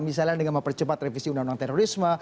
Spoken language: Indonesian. misalnya dengan mempercepat revisi undang undang terorisme